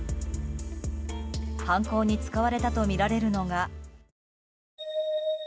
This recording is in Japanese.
犯行に使われたとみられるのが。